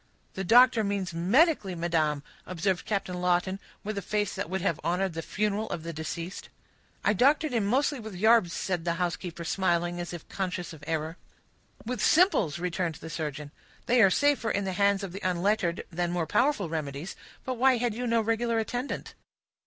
"The doctor means medically, madam," observed Captain Lawton, with a face that would have honored the funeral of the deceased. "I doctored him mostly with yarbs," said the housekeeper, smiling, as if conscious of error. "With simples," returned the surgeon. "They are safer in the hands of the unlettered than more powerful remedies; but why had you no regular attendant?"